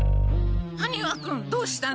羽丹羽君どうしたの？